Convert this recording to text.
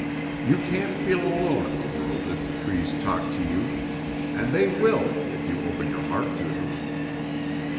You can't feel alone in the world if the trees talk to you, and they will if you open your heart to them.